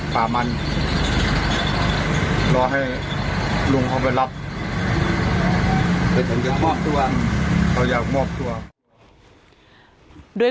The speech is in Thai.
อ๋อเจ้าสีสุข่าวของสิ้นพอได้ด้วย